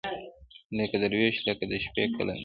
لکه دروېش لکه د شپې قلندر -